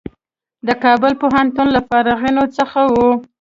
د کابل پوهنتون له فارغینو څخه و.